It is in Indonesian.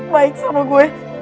baik sama gue